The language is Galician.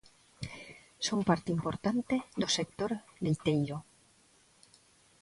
Son parte importante do sector leiteiro.